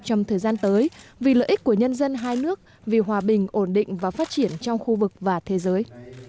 trong thời gian tới vì lợi ích của nhân dân hai nước vì hòa bình ổn định và phát triển trong khu vực và thế giới